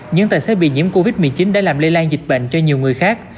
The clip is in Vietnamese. những tài xế bị nhiễm covid một mươi chín đã làm lây lan dịch bệnh cho nhiều người khác